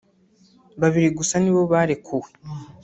babiri gusa nibo barekuwe